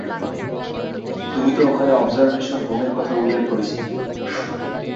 তুমি তো ওখানে অবজারভেশন হোমের কথা উল্লেখ করেছিলে।